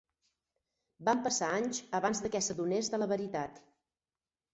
Van passar anys abans de que s'adonés de la veritat.